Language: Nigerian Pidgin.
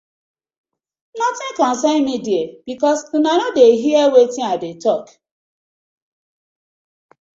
Notin concern mi there because una no dey hear wetin me I dey tok.